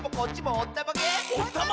おったまげ！